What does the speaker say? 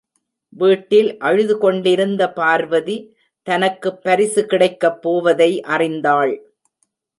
வீட்டில் அழுதுகொண்டிருந்த பார்வதி, தனக்குப் பரிசு கிடைக்கப் போவதை அறிந்தாள்.